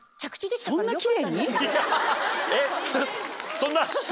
そんな。